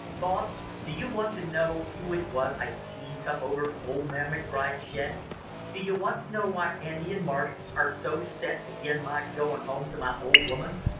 "Boss, do you want to know who it was I seen come over old man McBride's shed? Do you want to know why Andy and Marsh are so set agin my goin' home to my old woman?